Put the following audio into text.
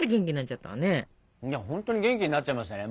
本当に元気になっちゃいましたね。